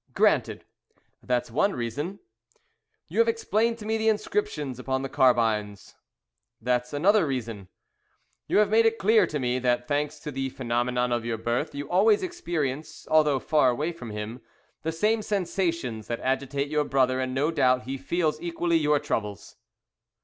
"Granted. That's one reason." "You have explained to me the inscriptions upon the carbines." "That's another reason." "You have made it clear to me that, thanks to the phenomenon of your birth, you always experience although far away from him, the same sensations that agitate your brother, and no doubt he feels equally your troubles."